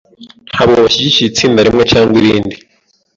Ntabwo bashyigikiye itsinda rimwe cyangwa irindi.